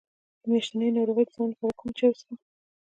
د میاشتنۍ ناروغۍ د ځنډ لپاره کوم چای وڅښم؟